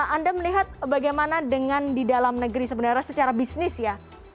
anda melihat bagaimana dengan di dalam negeri sebenarnya secara bisnis ya